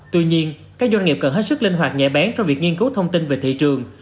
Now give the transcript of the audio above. tuy nhiên các doanh nghiệp cần hết sức linh hoạt nhạy bén trong việc nghiên cứu thông tin về thị trường